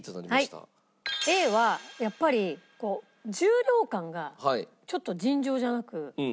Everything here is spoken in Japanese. Ａはやっぱり重量感がちょっと尋常じゃなく。